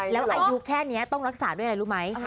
แล้วอายุแค่นี้ต้องรักษาด้วยอะไรรู้ไหม